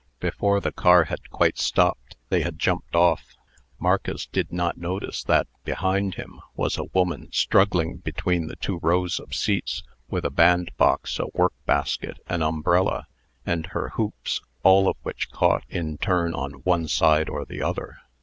Before the car had quite stopped, they had jumped off. Marcus did not notice that, behind him, was a woman struggling between the two rows of seats with a bandbox, a workbasket, an umbrella, and her hoops, all of which caught in turn on one side or the other.